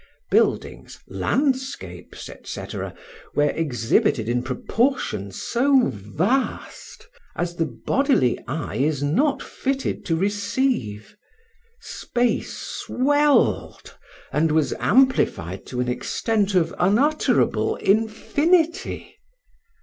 Buildings, landscapes, &c., were exhibited in proportions so vast as the bodily eye is not fitted to receive. Space swelled, and was amplified to an extent of unutterable infinity.